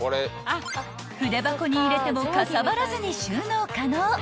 ［筆箱に入れてもかさばらずに収納可能］